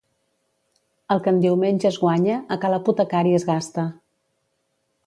El que en diumenge es guanya, a ca l'apotecari es gasta.